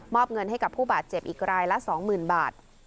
อบเงินให้กับผู้บาดเจ็บอีกรายละ๒๐๐๐บาท